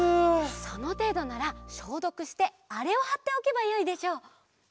そのていどならしょうどくしてあれをはっておけばよいでしょう。